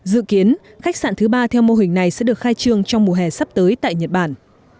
dự kiến khách sạn thứ ba theo mô hình này sẽ được khai trương trong mùa hè sắp tới tại nhật bản